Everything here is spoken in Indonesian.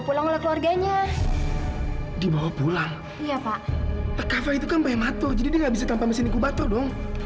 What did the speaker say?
tolong kau percaya sama aku do